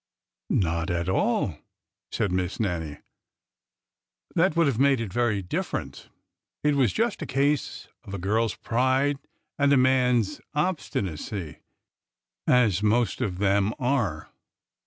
" Not at all," said Miss Nannie ,* that would have made it very different. It was just a case of a girl's pride and a man's obstinacy — as most of them are."